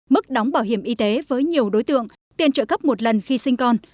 mức đóng bảo hiểm y tế với nhiều đối tượng tiền trợ cấp một lần khi sinh con